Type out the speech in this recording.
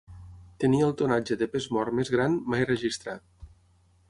Tenia el tonatge de pes mort més gran, mai registrat.